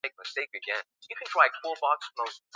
Viweke viazi ulivyofunga kwenye maji na kuvifunika